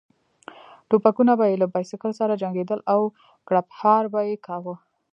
ټوپکونه به یې له بایسکل سره جنګېدل او کړپهار به یې کاوه.